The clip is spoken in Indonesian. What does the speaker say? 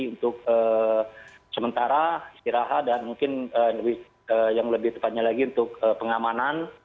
untuk sementara istirahat dan mungkin yang lebih tepatnya lagi untuk pengamanan